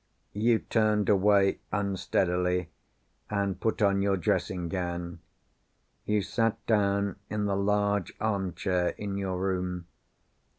You turned away unsteadily, and put on your dressing gown. You sat down in the large arm chair in your room.